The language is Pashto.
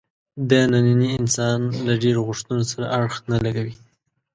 د ننني انسان له ډېرو غوښتنو سره اړخ نه لګوي.